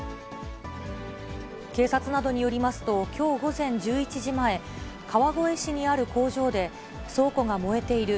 警察などによりますと、きょう午前１１時前、川越市にある工場で、倉庫が燃えている。